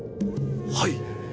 はい。